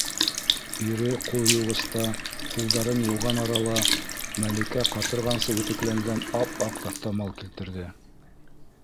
- Ире ҡулъйыуғыста ҡулдарын йыуған арала Мәликә ҡатырғансы үтекләнгән ап-аҡ таҫтамал килтерҙе.